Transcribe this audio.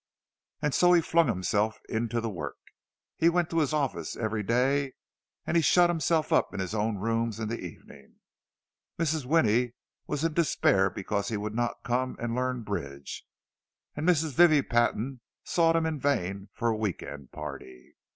And so he flung himself into the work. He went to his office every day, and he shut himself up in his own rooms in the evening. Mrs. Winnie was in despair because he would not come and learn bridge, and Mrs. Vivie Patton sought him in vain for a week end party.